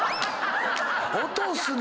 落とすな！